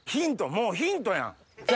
もうヒントやん！